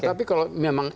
tapi kalau memang